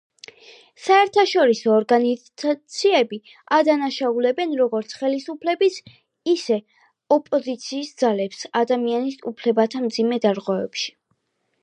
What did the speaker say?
საერთაშორისო ორგანიზაციები ადანაშაულებენ როგორც ხელისუფლების, ისე ოპოზიციის ძალებს ადამიანის უფლებათა მძიმე დარღვევებში.